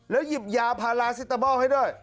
หยิบยาพาราซิตามอลให้ด้วย